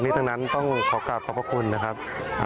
อันนี้ตรงนั้นต้องขอสตรับขอบคุณนะครับ